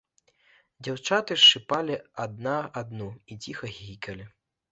Дзяўчаты шчыпалі адна адну і ціха хіхікалі.